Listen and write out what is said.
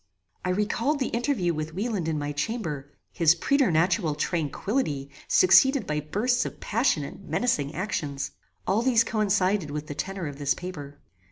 I recalled the interview with Wieland in my chamber, his preternatural tranquillity succeeded by bursts of passion and menacing actions. All these coincided with the tenor of this paper.